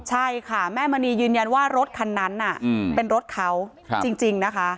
ใช่ค่ะแม่มณียืนยันว่ารถคันนั้นเป็นรถเขาจริงนะคะ